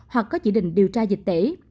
hoặc có chỉ định điều tra dịch tễ